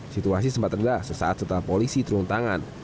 situasi sempat tegah sesaat setelah polisi turun tangan